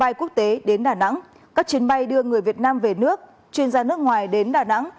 bay quốc tế đến đà nẵng các chuyến bay đưa người việt nam về nước chuyên gia nước ngoài đến đà nẵng